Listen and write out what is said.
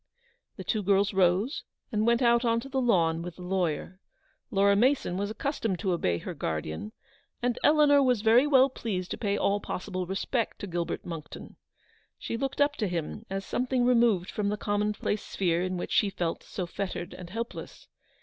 The two girls rose and went out on to the lawn with the lawyer. Laura Mason was accustomed to obey her guardian, and Eleanor was very well pleased to pay all possible respect to Gilbert Monckton. She looked up to him as something removed from the commonplace sphere in which she felt so fettered and helpless.